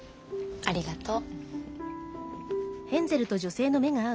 ありがとう。